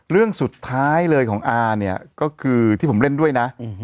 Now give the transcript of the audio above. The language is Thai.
เรื่องสุดท้ายเลยของอาเนี่ยก็คือที่ผมเล่นด้วยนะ